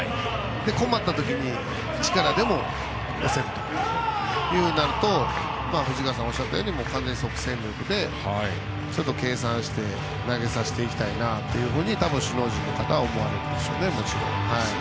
困った時に力でも押せるとなると藤川さんがおっしゃったように完全に即戦力で計算して投げさせていきたいと多分、首脳陣の方は思われてるんでしょうね。